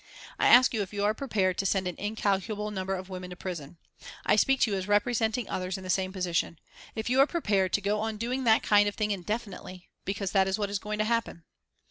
I ask you if you are prepared to send an incalculable number of women to prison I speak to you as representing others in the same position if you are prepared to go on doing that kind of thing indefinitely, because that is what is going to happen.